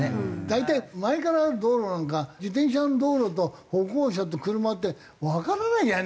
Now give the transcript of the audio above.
大体前から道路なのか自転車の道路と歩行者と車ってわからないじゃん